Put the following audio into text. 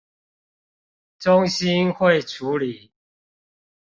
中心會處理